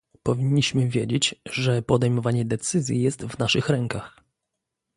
Powinniśmy wiedzieć, że podejmowanie decyzji jest w naszych rękach